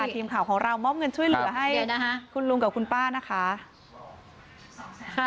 ทีมข่าวของเรามอบเงินช่วยเหลือให้คุณลุงกับคุณป้านะคะ